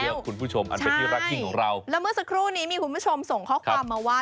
แล้วคุณผู้ชมอันเป็นที่รักยิ่งของเราแล้วเมื่อสักครู่นี้มีคุณผู้ชมส่งข้อความมาว่า